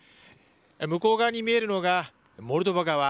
向こう側に見えるのがモルドバ側。